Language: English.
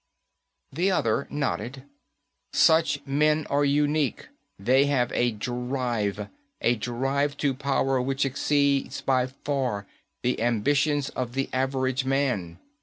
The other nodded. "Such men are unique. They have a drive ... a drive to power which exceeds by far the ambitions of the average man.